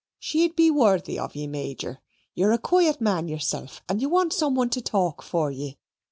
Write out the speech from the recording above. She'd be worthy of you, Major you're a quiet man yourself, and want some one to talk for ye.